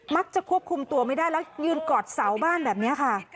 ควบคุมตัวไม่ได้แล้วยืนกอดเสาบ้านแบบนี้ค่ะ